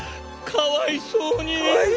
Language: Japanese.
かわいそうに。